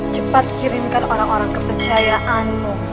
cepat kirimkan orang orang kepercayaanmu